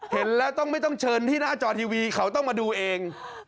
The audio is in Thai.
เห็นแล้วต้องไม่ต้องเชิญที่หน้าจอทีวีเขาต้องมาดูเอง